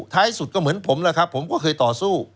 ท้ายสุดก็เหมือนผมผมก็เคยต่อสู้